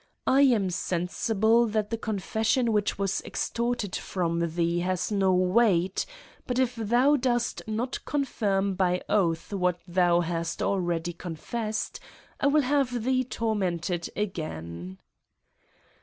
lam sensible^ that the confession which was extorted from thee has no iveight ; but if thou dost not confirm by oath what thou hast already confessed^ I will have thee tor fhented again.